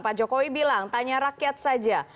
pak jokowi bilang tanya rakyat saja